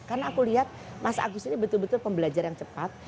karena aku lihat